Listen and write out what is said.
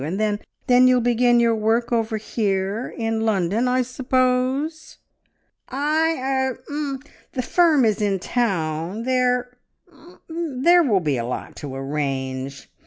And then then you'll begin your work over here. In London, I suppose?" "I ... er ... the firm is in town. There er there will be a lot to arrange."